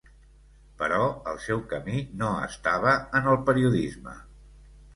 Però el seu camí no estava en el periodisme.